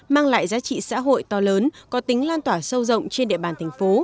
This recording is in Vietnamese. mang lại giá trị xã hội to lớn có tính lan tỏa sâu rộng trên địa bàn thành phố